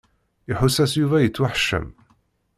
Iḥuss-as Yuba yettwaḥeccem.